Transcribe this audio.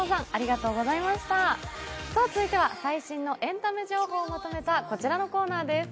続いては最新のエンタメ情報をまとめた、こちらのコーナーです。